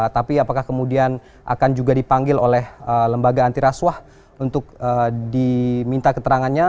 tapi apakah kemudian akan juga dipanggil oleh lembaga antirasuah untuk diminta keterangannya